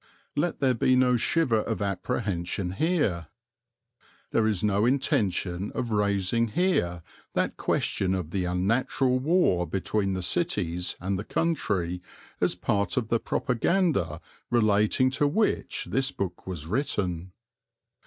Let there be no shiver of apprehension here. There is no intention of raising here that question of the unnatural war between the cities and the country as part of the propaganda relating to which this book was written.